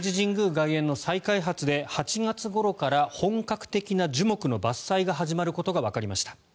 外苑の再開発で８月ごろから本格的な樹木の伐採が始まることがわかりました。